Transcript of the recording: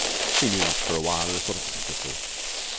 He mused for a while in a sort of ecstasy.